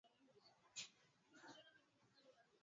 mashamba ya Roma na sehemu kubwa ya nafaka za Italia